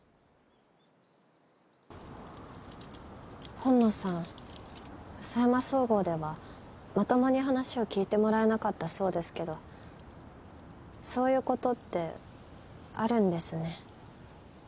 紺野さん佐山総合ではまともに話を聞いてもらえなかったそうですけどそういう事ってあるんですね。